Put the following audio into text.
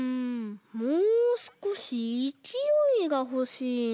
もうすこしいきおいがほしいな。